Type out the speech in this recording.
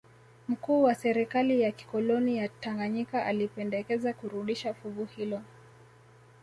Mkuu wa serikali ya kikoloni ya Tanganyika alipendekeza kurudisha fuvu hilo